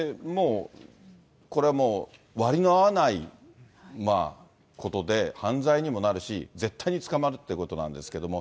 これはもう、割の合わないことで、犯罪にもなるし、絶対に捕まるってことなんですけども。